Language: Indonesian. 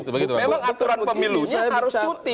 memang aturan pemilunya harus cuti